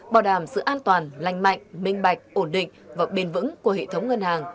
bảo đảm sự an toàn lành mạnh minh bạch ổn định và bền vững của hệ thống ngân hàng